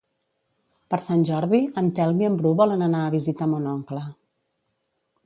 Per Sant Jordi en Telm i en Bru volen anar a visitar mon oncle.